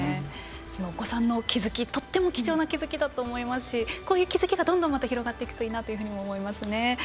お子さんの気付きとっても貴重な気付きだと思いますしこういう気付きがどんどん広がっていくといいなと思います。